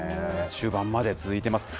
終盤まで続いています。